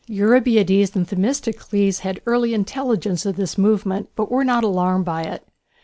Eurybiades and Themistocles had early intelligence of this movement, but were not alarmed by it.